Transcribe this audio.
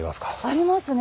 ありますね。